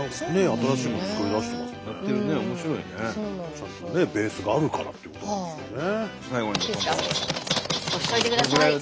ちゃんとねベースがあるからっていうことなんでしょうね。